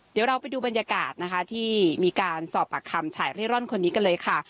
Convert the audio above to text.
เดี๋ยวเราไปดูบรรยากาศนะคะที่มีการสอบปากคำชายเร่ร่อนคนนี้กันเลยค่ะ